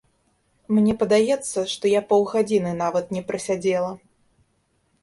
Мне падаецца, што я паўгадзіны нават не прасядзела.